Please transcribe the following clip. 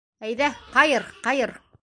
Әйҙә, ҡайыр, ҡайыр!